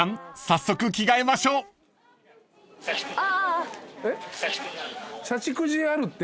早速着替えましょう］えっ？